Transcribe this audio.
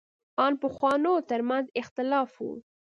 ان پخوانو تر منځ اختلاف و.